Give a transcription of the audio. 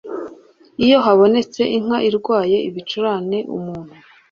iyo habonetse inka irwaye ibicurane umuntu